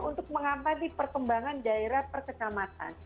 untuk mengamati perkembangan daerah perkecamatan